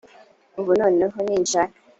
ubu noneho ninshaka